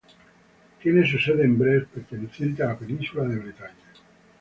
Tiene su sede en Brest perteneciente a la península de Bretaña.